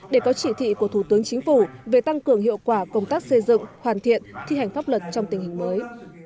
để có chỉ thị của thủ tướng chính phủ về tăng cường hiệu quả công tác xây dựng hoàn thiện thi hành pháp luật trong tình hình mới